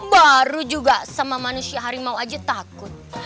baru juga sama manusia harimau aja takut